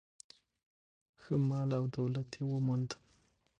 ښه مال او دولت یې وموند.